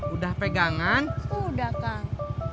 udah pegangan udah kang